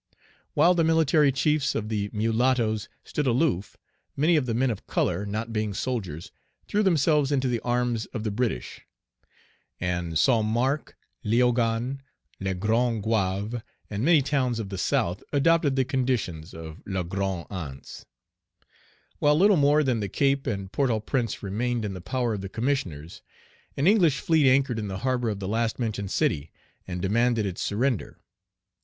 While the military chiefs of the mulattoes stood aloof, many of the men of color, not being soldiers, threw themselves into the arms of the British; and Saint Marc, Léogane, Le Grand Goave, and many towns of the south, adopted the conditions of La Grande Anse. While little more than the Cape and Port au Prince remained Page 72 in the power of the Commissioners, an English fleet anchored in the harbor of the last mentioned city, and demanded its surrender.